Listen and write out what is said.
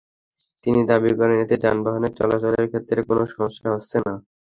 তিনি দাবি করেন, এতে যানবাহনের চলাচলের ক্ষেত্রে কোনো সমস্যা হচ্ছে না।